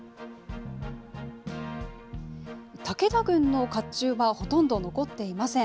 武田軍のかっちゅうはほとんど残っていません。